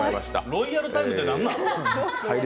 ロイヤルタイムってなんなん？